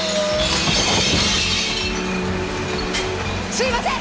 すいません！